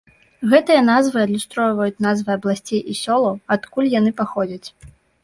Гэтыя назвы адлюстроўваюць назвы абласцей і сёлаў, адкуль яны паходзяць.